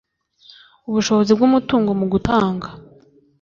ubushobozi bw’umutungo mu gutanga